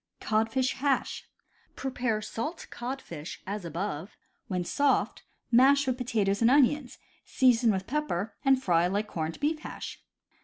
Codfish Hash. — Prepare salt codfish as above. When soft, mash with potatoes and onions, season with pepper, and fry like corned beef hash.